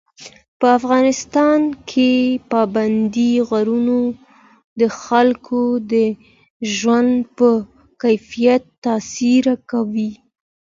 په افغانستان کې پابندی غرونه د خلکو د ژوند په کیفیت تاثیر کوي.